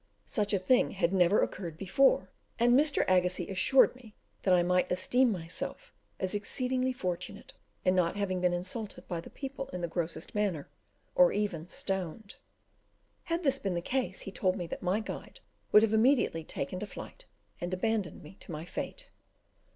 Such a thing had never occurred before, and Mr. Agassiz assured me that I might esteem myself as exceedingly fortunate in not having been insulted by the people in the grossest manner, or even stoned. Had this been the case, he told me that my guide would have immediately taken to flight, and abandoned me to my fate.